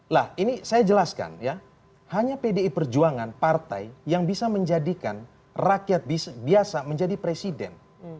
lah ini saya jelaskan ya hanya pdi perjuangan partai yang bisa menjadikan rakyat biasa menjadi presiden